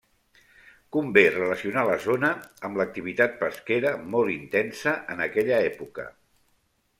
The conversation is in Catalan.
Convé relacionar la zona amb l'activitat pesquera molt intensa en aquella època.